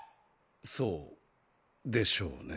そうでしょうね。